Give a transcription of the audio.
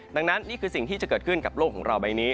ดังนั้นนี่คือสิ่งที่จะเกิดขึ้นกับโลกของเราใบนี้